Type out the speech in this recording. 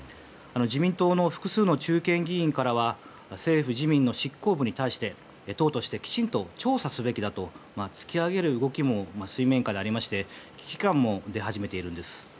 自民党の複数の中堅議員からは政府・自民の執行部に対して党としてきちんと調査すべきだと突き上げる動きも水面下でありまして危機感も出始めているんです。